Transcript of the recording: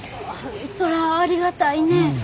あそらありがたいねえ。